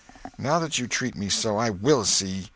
"Now that you treat me so, I will see."